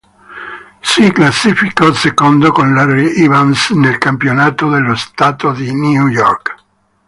Si classificò secondo con Larry Evans nel campionato dello Stato di New York.